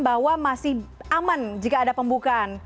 bahwa masih aman jika ada pembukaan